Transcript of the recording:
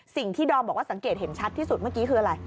ดอมบอกว่าสังเกตเห็นชัดที่สุดเมื่อกี้คืออะไร